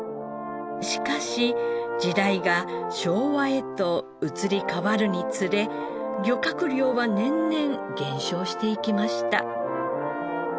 しかし時代が昭和へと移り変わるにつれ漁獲量は年々減少していきました。